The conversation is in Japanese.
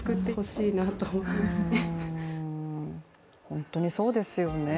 本当にそうですよね。